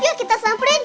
yuk kita samprin